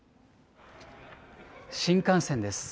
新幹線です。